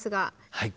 はい。